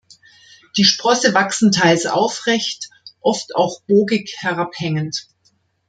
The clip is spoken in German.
Die Sprosse wachsen teils aufrecht, oft auch bogig herabhängend.